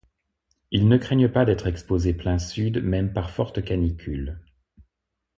Ils ne craignent pas d'être exposés plein sud même par forte canicule.